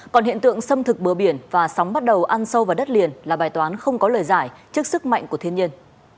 còn hiện tượng xâm thực bờ biển và sóng bắt đầu ăn sâu vào đất liền là bài toán không có lời giải trước sức mạnh của thiên nhiên